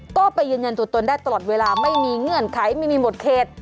ก็ไปยืนยันตัวตนได้ตลอดเวลาไม่มีเงื่อนไขไม่มีหมดเขต